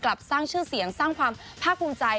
สร้างชื่อเสียงสร้างความภาคภูมิใจ